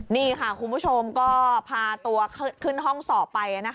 นี่ค่ะคุณผู้ชมก็พาตัวขึ้นห้องสอบไป